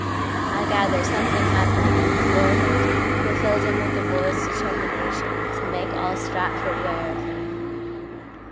I gather something happening in his boyhoodFulfilled him with a boy's determinationTo make all Stratford 'ware of him.